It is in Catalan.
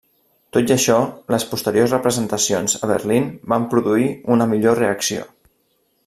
Tot i això, les posteriors representacions a Berlín van produir una millor reacció.